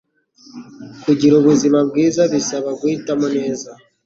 Kugira ubuzima bwiza bisaba guhitamo neza